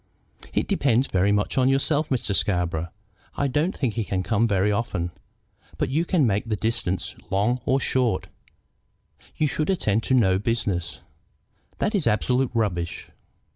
"It depends very much on yourself, Mr. Scarborough. I don't think he can come very often, but you can make the distances long or short. You should attend to no business." "That is absolute rubbish."